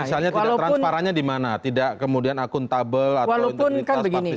misalnya tidak transparannya di mana tidak kemudian akuntabel atau integritas partisipa